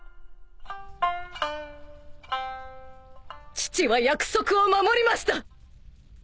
父は約束を守りました！